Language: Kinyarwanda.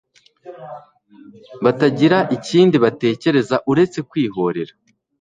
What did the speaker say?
batagira ikindi batekereza uretse kwihorera